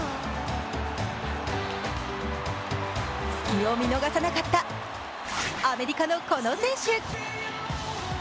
隙を見逃さなかったアメリカのこの選手。